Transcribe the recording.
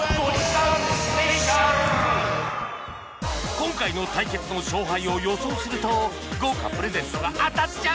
今回の対決の勝敗を予想すると豪華プレゼントが当たっちゃう！